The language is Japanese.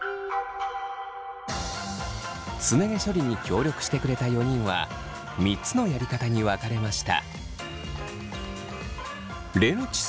すね毛処理に協力してくれた４人は３つのやり方に分かれました。